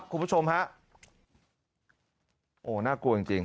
มีคนอยู่ไหมครับ